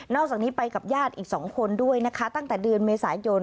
จากนี้ไปกับญาติอีก๒คนด้วยนะคะตั้งแต่เดือนเมษายน